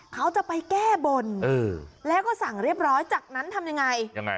เขาจะไปแก้บนแล้วก็สั่งเรียบร้อยจากนั้นทำยังไงยังไง